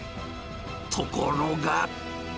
ところが。